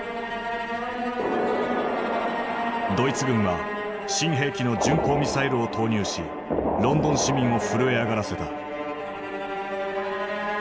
ドイツ軍は新兵器の巡航ミサイルを投入しロンドン市民を震え上がらせた。